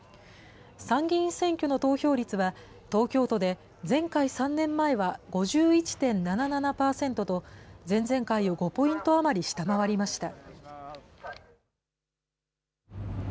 参議院選挙の投票率は、東京都で前回・３年前は５１．７７％と、前々回を５ポイント余り下回りました。